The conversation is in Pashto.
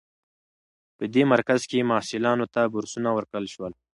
په دې مرکز کې محصلانو ته بورسونه ورکړل شول.